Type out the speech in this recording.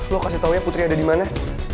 lo kasih tau ya putri ada dimana